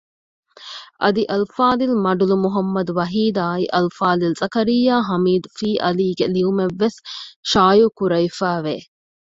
އަދި އަލްފާޟިލް މަޑުލު މުޙައްމަދު ވަޙީދާއި އަލްފާޟިލް ޒަކަރިއްޔާ ހަމީދު ފީއަލީ ގެ ލިޔުއްވުމެއް ވެސް ޝާއިއުކުރެވިފައި ވެ